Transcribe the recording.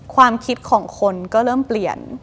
ความคิดของคนก็เริ่มเปลี่ยน